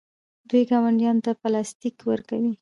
دوی ګاونډیانو ته پلاستیک ورکوي.